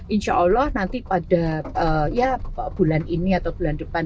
insya allah nanti pada bulan ini atau bulan depan